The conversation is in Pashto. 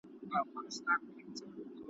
شپه او ورځ يې په كورونو كي ښادي وه ,